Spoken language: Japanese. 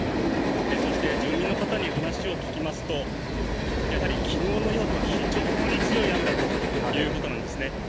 そして住民の方に話を聞きますとやはり昨日の夜は非常に強い雨だったということなんですね。